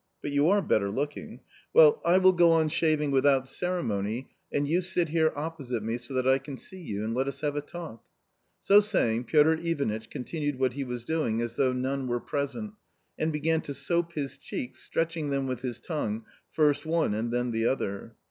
But you are better looking. Well I will go on c 34 A COMMON STORY \ Y \ shaving without ceremony, and you sit here opposite me, so that I can see you, and let us have a talk." So saying Piotr Ivanitch continued what he was doing as though none were present, and began to soap his cheeks, stretching them with his tongue, first one, and then the other.